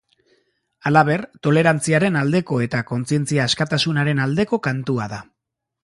Halaber, tolerantziaren aldeko eta kontzientzia askatasunaren aldeko kantua da.